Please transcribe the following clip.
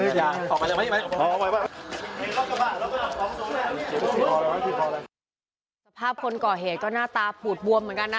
สภาพคนก่อเหตุก็หน้าตาปูดบวมเหมือนกันนะ